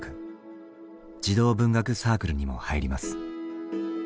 児童文学サークルにも入ります。